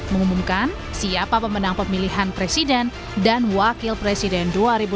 mengumumkan siapa pemenang pemilihan presiden dan wakil presiden dua ribu dua puluh